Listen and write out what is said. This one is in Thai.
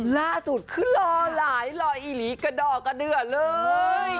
ล่าสุดคือรอหลายรออีหลีกระดอกกระเดือเลย